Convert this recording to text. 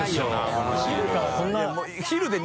お昼からこんな。